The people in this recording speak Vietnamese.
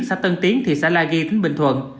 xã tân tiến thị xã la ghi tỉnh bình thuận